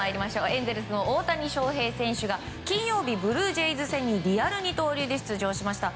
エンゼルスの大谷翔平選手が金曜日、ブルージェイズ戦にリアル二刀流で出場しました。